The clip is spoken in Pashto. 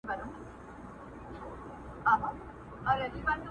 زنګول مي لا خوبونه د زلمیو شپو په ټال کي؛